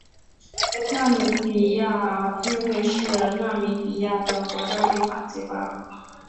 纳米比亚议会是纳米比亚的国家立法机关。